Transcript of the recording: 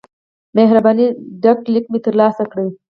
مهربانی ډک لیک مې ترلاسه کړ.